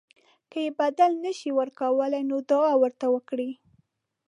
که یې بدله نه شئ ورکولی نو دعا ورته وکړئ.